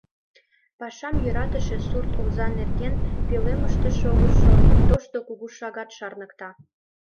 Пашам йӧратыше сурт оза нерген пӧлемыште шогышо тошто кугу шагат шарныкта.